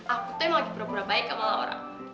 aku tuh emang lagi pura pura baik sama orang